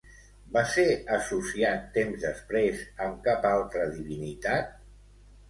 Va ser associat temps després amb cap altra divinitat?